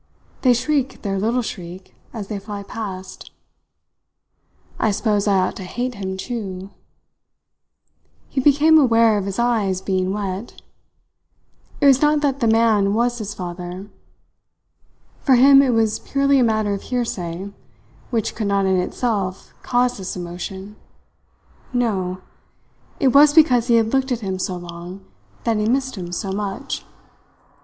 They shriek their little shriek as they fly past. I suppose I ought to hate him too ..." He became aware of his eyes being wet. It was not that the man was his father. For him it was purely a matter of hearsay which could not in itself cause this emotion. No! It was because he had looked at him so long that he missed him so much.